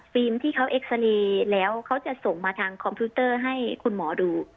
ที่เขาเอ็กซาเรย์แล้วเขาจะส่งมาทางคอมพิวเตอร์ให้คุณหมอดู